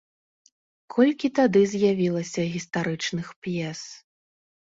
Колькі тады з'явілася гістарычных п'ес!